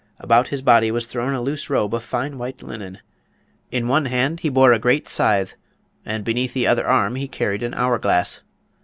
About his body was thrown a loose robe of fine white linen. In one hand he bore a great scythe, and beneath the other arm he carried an hourglass.